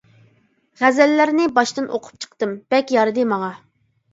غەزەللەرنى باشتىن ئوقۇپ چىقتىم، بەك يارىدى ماڭا.